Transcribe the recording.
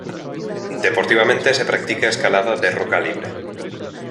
Deportivamente se practica escalada de roca libre.